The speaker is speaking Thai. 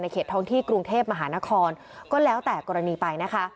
เขตท้องที่กรุงเทพมหานครก็แล้วแต่กรณีไปนะคะ